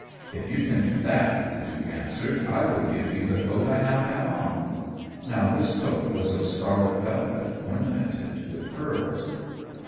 "If you can do that," the Duke answered, "I will give you the coat I now have on." Now this coat was of scarlet velvet, ornamented with pearls.